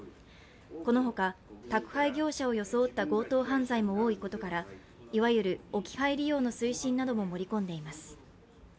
このほか、宅配業者を装った強盗犯罪も多いことからいわゆる置き配利用の推進なども盛り込んでいます。